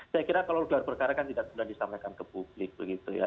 saya kira kalau gelar perkara kan tidak sudah disampaikan ke publik begitu ya